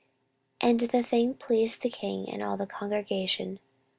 14:030:004 And the thing pleased the king and all the congregation.